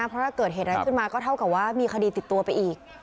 เพราะถ้าเกิดเหตุอะไรขึ้นมาก็เท่ากับว่ามีคดีติดตัวไปอีก